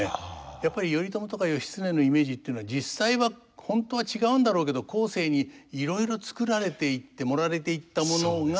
やっぱり頼朝とか義経のイメージっていうのは実際は本当は違うんだろうけど後世にいろいろ作られていって盛られていったものが。